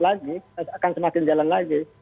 lagi akan semakin jalan lagi